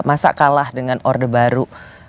masa kalah dengan orde baru